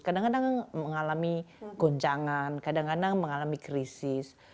kadang kadang mengalami goncangan kadang kadang mengalami krisis